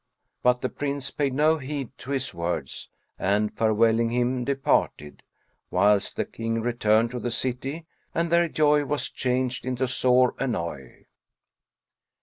But the Prince paid no heed to his words and farewelling him departed, whilst the King returned to the city and their joy was changed into sore annoy.